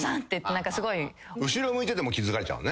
後ろ向いてても気付かれちゃう。